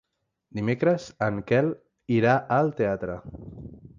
Dimecres en Quel irà al teatre.